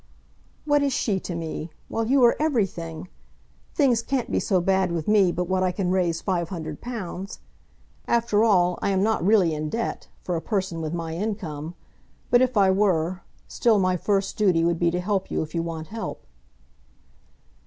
"What is she to me? while you are everything! Things can't be so bad with me but what I can raise five hundred pounds. After all, I am not really in debt, for a person with my income; but if I were, still my first duty would be to help you if you want help."